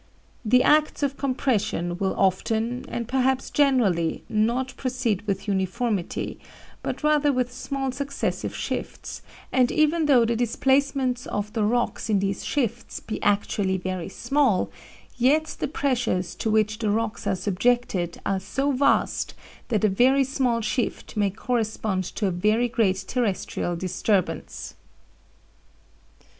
The acts of compression will often, and perhaps generally, not proceed with uniformity, but rather with small successive shifts, and even though the displacements of the rocks in these shifts be actually very small, yet the pressures to which the rocks are subjected are so vast that a very small shift may correspond to a very great terrestrial disturbance.